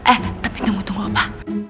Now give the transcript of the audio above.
eh tapi tunggu tunggu apa